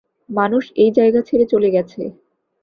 মানুষ এই জায়গা ছেড়ে চলে গেছে।